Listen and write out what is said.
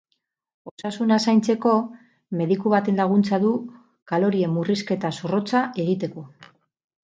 Osasuna zaintzeko, mediku baten laguntza du kalorien murrizketa zorrotza egiteko.